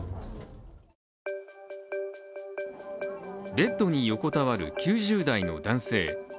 ベッドに横たわる９０代の男性。